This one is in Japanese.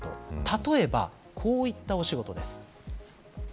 例えば、こういったお仕事です。